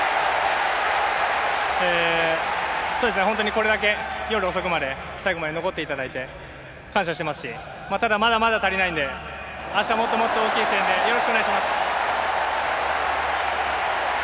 これだけ夜遅くまで最後まで残っていただいて感謝していますし、ただ、まだまだ足りないんで明日もっともっと大きい声援でよろしくお願いします。